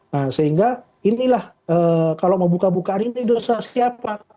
nah sehingga inilah kalau mau buka bukaan ini dosa siapa